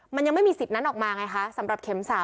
มันยังไม่มีสิทธิ์นั้นออกมาไงคะสำหรับเข็ม๓